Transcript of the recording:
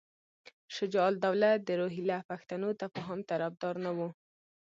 شجاع الدوله د روهیله پښتنو تفاهم طرفدار نه وو.